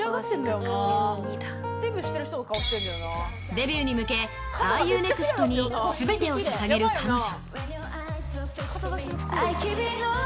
デビューに向け『ＲＵＮｅｘｔ？』に全てを捧げる彼女。